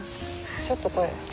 ちょっとこれ。